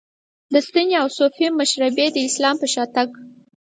د سنتي او صوفي مشربي اسلام په شا تګ.